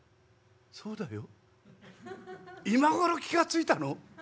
「そうだよ今頃気が付いたの？